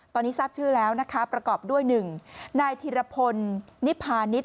ตอนนี้ทราบชื่อแล้วนะคะประกอบด้วย๑นายธิรพลนิพาณิชย